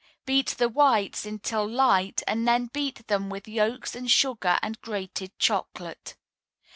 Beat the whites until light, and then beat them with yolks and sugar and grated chocolate.